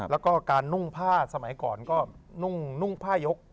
แล้วก็การนุ่งผ้าสมัยก่อนก็นุ่งผ้ายก